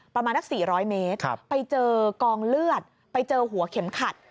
ประมาณสัก๔๐๐เมตรไปเจอกองเลือดไปเจอหัวเข็มขัด